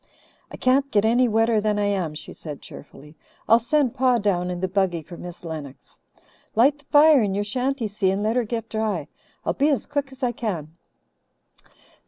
"I can't get any wetter than I am," she said cheerfully. "I'll send Pa down in the buggy for Miss Lennox. Light the fire in your shanty, Si, and let her get dry. I'll be as quick as I can."